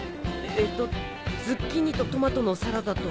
えっとズッキーニとトマトのサラダと。